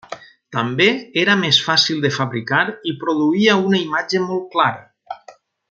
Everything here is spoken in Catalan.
També era més fàcil de fabricar i produïa una imatge molt clara.